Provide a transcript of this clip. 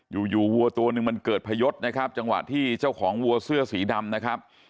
อยู่อยู่วัวตัวหนึ่งมันเกิดพยศนะครับจังหวะที่เจ้าของวัวเสื้อสีดำนะครับ